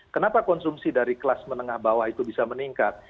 kenapa konsumsi dari kelas menengah bawah itu bisa meningkat